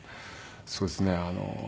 そうですね。